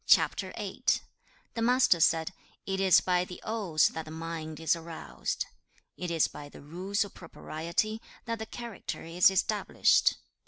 The Master said, 'It is by the Odes that the mind is aroused. 2. 'It is by the Rules of Propriety that the character is established.